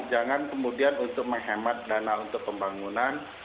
jangan kemudian untuk menghemat dana untuk pembangunan